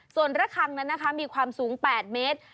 ส่วนระคังนั้นนะคะมีความสูง๘เมตร